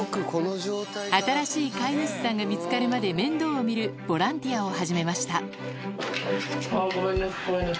新しい飼い主さんが見つかるまで面倒を見るボランティアを始めましたあっごめんねごめんね。